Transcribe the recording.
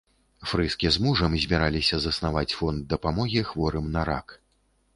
Фрыске з мужам збіраліся заснаваць фонд дапамогі хворым на рак.